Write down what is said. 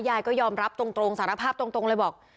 ยายก็ยอมรับตรงสารภาพตรงเลยบอก